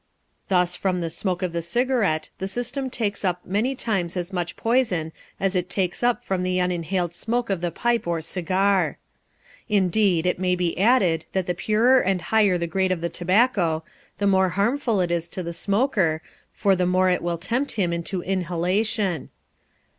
Thus from the smoke of the cigarette the system takes up many times as much poison as it takes up from the uninhaled smoke of the pipe or cigar. Indeed, it may be added that the purer and higher the grade of the tobacco, the more harmful it is to the smoker, for the more will it tempt him into inhalation.